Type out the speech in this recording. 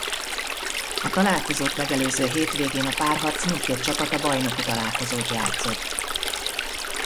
A találkozót megelőző hétvégén a párharc mindkét csapata bajnoki találkozót játszott.